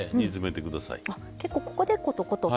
結構ここでコトコトと。